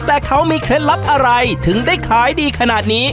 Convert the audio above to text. แต่เขามีเคล็ดลับอะไรถึงได้ขายดีขนาดนี้